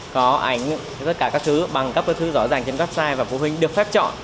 có ảnh các thứ bằng các thứ rõ ràng trên website và phụ huynh được phép chọn